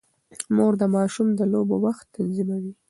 مور د ماشوم د لوبو وخت تنظيموي.